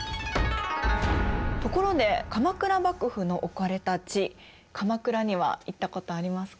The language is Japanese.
ところで鎌倉幕府の置かれた地鎌倉には行ったことありますか？